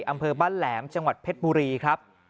อำเภอบ้านแหลมจังหวัดเพชรบุรีครับ